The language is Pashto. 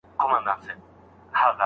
آیا ځیرک مبایل تر ساده مبایل ګران دی؟